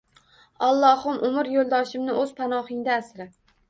Allohim umr yo`ldoshimni o`z panohingda asra